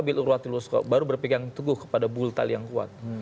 baru berpikir yang teguh kepada bultal yang kuat